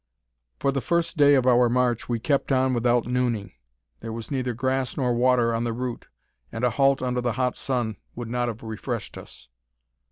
For the first day of our march we kept on without nooning. There was neither grass nor water on the route; and a halt under the hot sun would not have refreshed us.